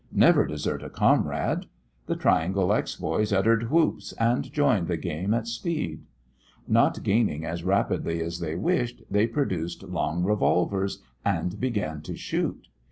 Never desert a comrade. The Triangle X boys uttered whoops, and joined the game at speed. Not gaining as rapidly as they wished, they produced long revolvers and began to shoot.